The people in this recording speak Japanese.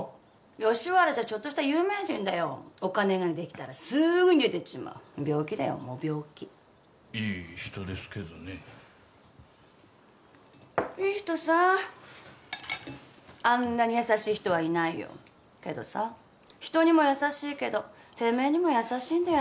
吉原じゃちょっとした有名人だよお金ができたらすぐ出てっちまう病気だよもう病気いい人ですけどねいい人さあんなに優しい人はいないよけどさ人にも優しいけどてめえにも優しいんだよ